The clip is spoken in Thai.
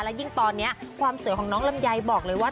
และยิ่งตอนนี้ความสวยของน้องลำไยบอกเลยว่า